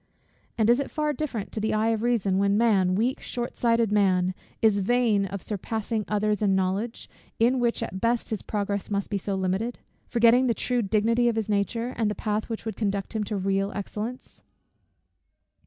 And is it far different to the eye of reason, when man, weak, short sighted man, is vain of surpassing others in knowledge, in which at best his progress must be so limited; forgetting the true dignity of his nature, and the path which would conduct him to real excellence?